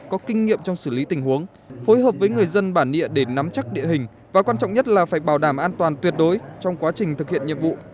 có kinh nghiệm trong xử lý tình huống phối hợp với người dân bản địa để nắm chắc địa hình và quan trọng nhất là phải bảo đảm an toàn tuyệt đối trong quá trình thực hiện nhiệm vụ